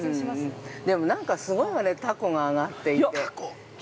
でも、なんかすごいわね、凧が上がっていて。